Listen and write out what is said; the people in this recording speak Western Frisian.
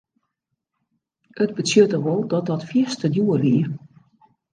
It betsjutte wol dat dat fierste djoer wie.